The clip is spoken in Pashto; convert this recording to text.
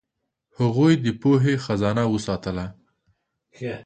هغوی د پوهې خزانه وساتله.